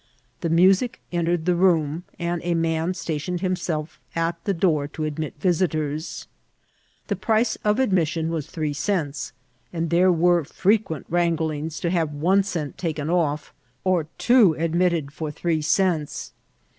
The music entered the room, and a man stationed himself at the door to admit visiters. The price of admission was three cents, and there were frequent wranglings to have one cent taken off, or two admitted for three cents.